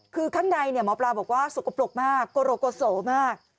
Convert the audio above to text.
คือข้างในหมอปลาบอกว่าสกปรกมากโกโรโกโสมาก